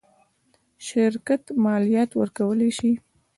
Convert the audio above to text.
شرکت مالیات ورکولی شي.